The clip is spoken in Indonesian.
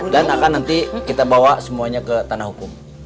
dan akan nanti kita bawa semuanya ke tanah hukum